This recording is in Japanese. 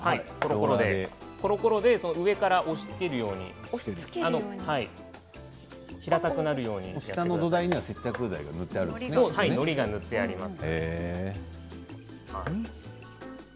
コロコロで上から押しつけるように下の土台には接着剤が塗ってあります。